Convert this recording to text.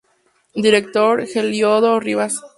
Director: Heliodoro Rivas.